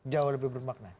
jauh lebih bermakna